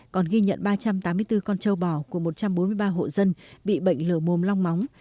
còn ghi nhận ba trăm tám mươi bốn con châu bò của một trăm bốn mươi ba hộ dân bị bệnh lở mồm long móng